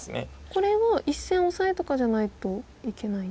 これは１線オサエとかじゃないといけない。